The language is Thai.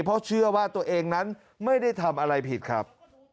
เพราะเชื่อว่าตัวเองนั้นไม่ได้ทำอะไรผิดครับ